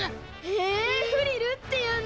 へえフリルっていうんだ。